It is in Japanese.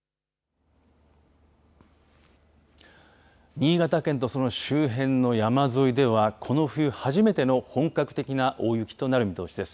新潟県とその周辺の山沿いでは、この冬初めての本格的な大雪となる見通しです。